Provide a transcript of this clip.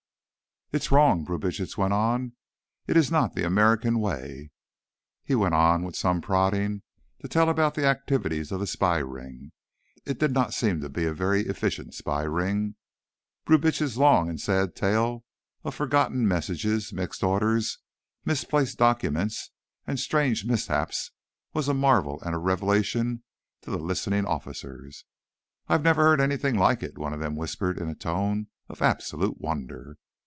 "It is wrong," Brubitsch went on. "It is not the American way." He went on, with some prodding, to tell about the activities of the spy ring. It did not seem to be a very efficient spy ring; Brubitsch's long sad tale of forgotten messages, mixed orders, misplaced documents and strange mishaps was a marvel and a revelation to the listening officers. "I've never heard anything like it," one of them whispered in a tone of absolute wonder.